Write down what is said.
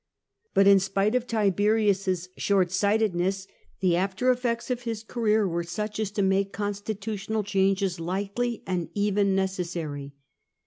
But, in spite of Tiberius's short sightedness, the after effects of his career were such as to make constitutional changes likely, and even necessary.